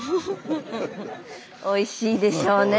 おいしいでしょうね。